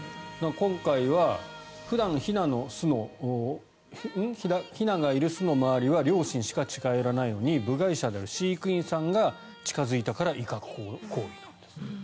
今回は普段ひながいる巣の周りは両親しか近寄らないのに部外者である飼育員さんが近付いたから威嚇行為なんですって。